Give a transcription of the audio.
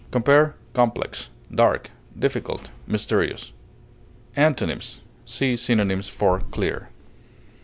Compare COMPLEX; DARK; DIFFICULT; MYSTERIOUS. Antonyms: See synonyms for CLEAR.